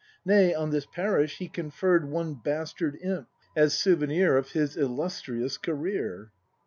Nay, on this parish he conferr'd One bastard imp — as souvenir Of his illustrious career.